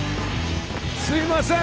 すいません！